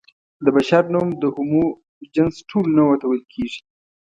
د بشر نوم د هومو جنس ټولو نوعو ته ویل کېږي.